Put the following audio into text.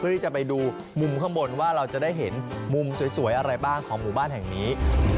ที่จะไปดูมุมข้างบนว่าเราจะได้เห็นมุมสวยอะไรบ้างของหมู่บ้านแห่งนี้